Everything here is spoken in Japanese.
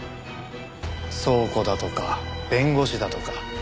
倉庫だとか弁護士だとか。